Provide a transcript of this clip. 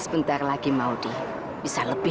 sebetar lagi mau di bisa lebih